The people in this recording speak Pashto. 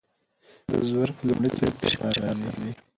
د زور پر لومړي توري فشار راځي.